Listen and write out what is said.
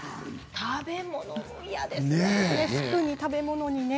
食べ物、嫌ですね。